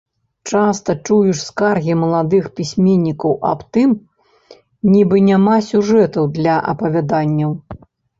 Часта чуеш скаргі маладых пісьменнікаў аб тым, нібы няма сюжэтаў для апавяданняў.